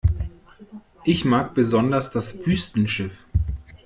Ich mag besonders das Wüstenschiff.